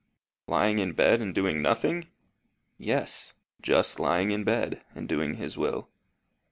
"Lying in bed and doing nothing!" "Yes. Just lying in bed, and doing his will."